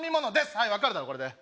はい分かるだろこれで！